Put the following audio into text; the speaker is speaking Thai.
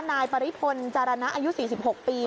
นายปริพลจารณะอายุ๔๖ปี